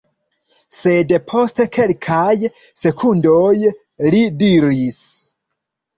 Sed post kelkaj sekundoj li diris: